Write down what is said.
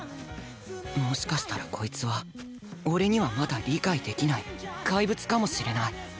もしかしたらこいつは俺にはまだ理解できないかいぶつかもしれない